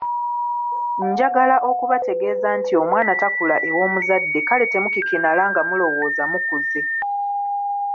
Njagala okubategeeza nti omwana takula ew’omuzadde kale temukikinala nga mulowooza mukuze.